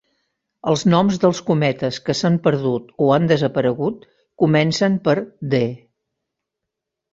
Els noms dels cometes que s'han perdut o han desaparegut comencen per "D".